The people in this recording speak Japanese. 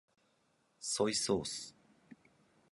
ソイソース